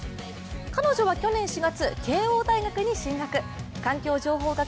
彼女は去年４月、慶応大学に進学。